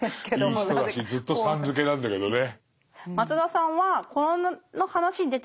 いい人だしずっと「さん」付けなんだけどね。